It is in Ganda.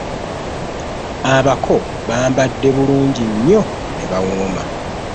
Abako bamabadde bulungi nnyo ne bawooma.